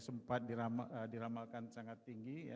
sempat diramalkan sangat tinggi